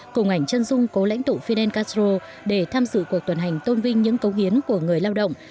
cùng ảnh chân dung cố lãnh tụ fidel castro để tham dự cuộc tuần hành tôn vinh những cấu hiến của người lao động